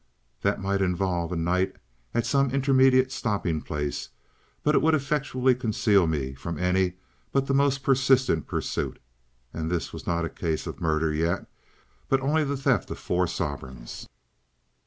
That might involve a night at some intermediate stopping place but it would effectually conceal me from any but the most persistent pursuit. And this was not a case of murder yet, but only the theft of four sovereigns.